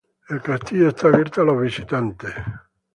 El castillo está abierto a los visitantes.